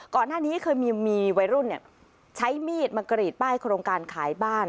ก่อนหน้านี้เคยมีวัยรุ่นใช้มีดมากรีดป้ายโครงการขายบ้าน